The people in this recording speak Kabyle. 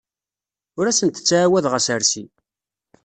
Ur asent-ttɛawadeɣ assersi.